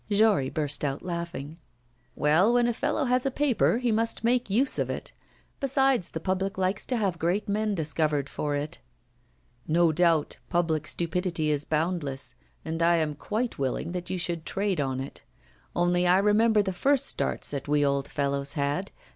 Jory burst out laughing. 'Well, when a fellow has a paper, he must make use of it. Besides, the public likes to have great men discovered for it.' 'No doubt, public stupidity is boundless, and I am quite willing that you should trade on it. Only I remember the first starts that we old fellows had.